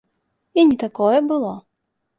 І не такое было!